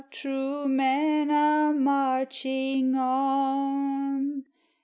True men are marching on.